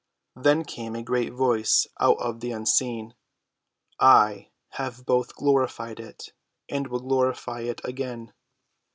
Then came a great Voice out of the unseen. "I have both glorified it, and will glorify it again."